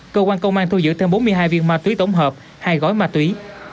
cơ quan công an thu giữ thêm bốn mươi hai viên ma túy tổng hợp hai gói ma túy